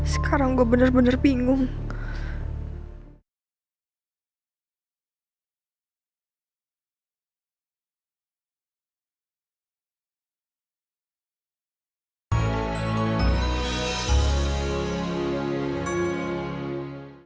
selamat malam mas